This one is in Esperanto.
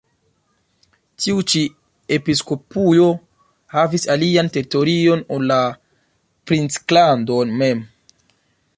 Tiu ĉi episkopujo havis alian teritorion ol la princlando mem.